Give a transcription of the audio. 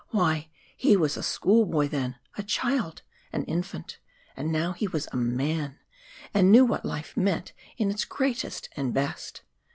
Why, he was a schoolboy then a child an infant! and now he was a man, and knew what life meant in its greatest and best.